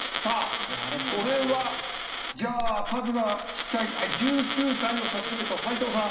これはじゃあ数がちっちゃい１９回を指し示した斎藤さん。